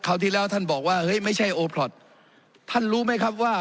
คราวที่แล้วท่านบอกว่าเฮ้ยไม่ใช่ท่านรู้ไหมครับว่า